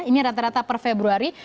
ini rata rata per februari